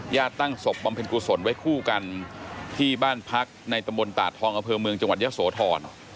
ตั้งศพบำเพ็ญกุศลไว้คู่กันที่บ้านพักในตำบลตาดทองอำเภอเมืองจังหวัดยะโสธร